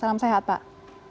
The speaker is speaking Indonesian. salam sehat pak